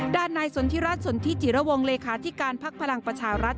ด้านนายสนทิรัฐสนทิจิระวงเลขาธิการพักพลังประชารัฐ